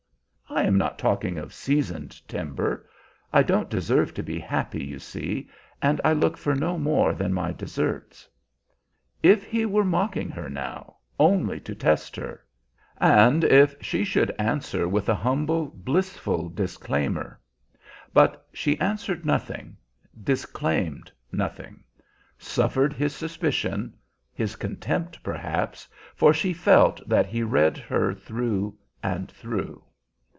I am not talking of seasoned timber. I don't deserve to be happy, you see, and I look for no more than my deserts." If he were mocking her now, only to test her! And if she should answer with a humble, blissful disclaimer? But she answered nothing, disclaimed nothing; suffered his suspicion, his contempt, perhaps, for she felt that he read her through and through.